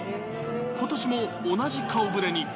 ことしも同じ顔ぶれに。